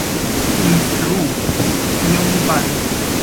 Instruu, kion mi faru?